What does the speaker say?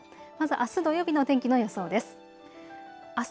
あす土曜日の天気の予想です。